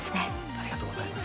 ありがとうございます。